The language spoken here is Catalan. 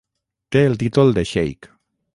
Té el títol de xeic.